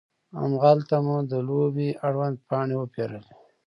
هماغلته مو د لوبې اړوند پاڼې وپیرلې.